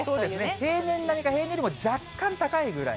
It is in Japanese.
平年並みか平年よりも若干高いぐらい。